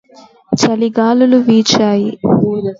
చలిగాలులు వీచాయి